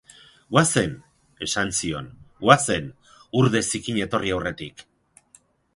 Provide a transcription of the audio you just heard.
Goazen! Esan zion, goazen, urde zikina etorri aurretik.